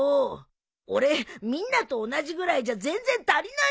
俺みんなと同じぐらいじゃ全然足りないんだよ。